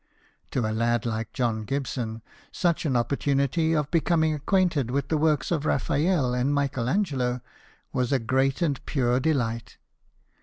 To a lad like John Gibson, such an opportunity of becoming acquainted with the works of Raphael and Michael Angelo was a great and pure delight.